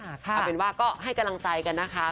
เอาเป็นว่าก็ให้กำลังใจกันนะคะ